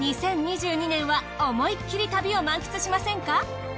２０２２年は思いっきり旅を満喫しませんか？